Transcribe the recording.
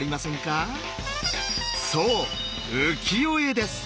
そう「浮世絵」です。